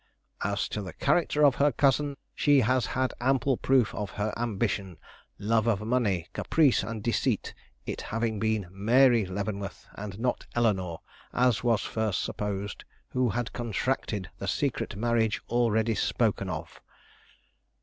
As to the character of her cousin, she has had ample proof of her ambition, love of money, caprice and deceit, it having been Mary Leavenworth, and not Eleanore, as was first supposed, who had contracted the secret marriage already spoken of.